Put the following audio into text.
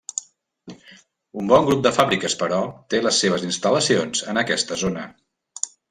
Un bon grup de fàbriques, però, té les seves instal·lacions en aquesta zona.